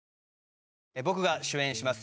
僕が主演します